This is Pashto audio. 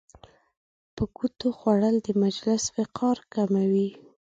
په ګوتو خوړل د مجلس وقار کموي.